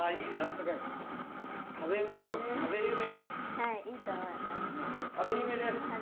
はいいいと思います。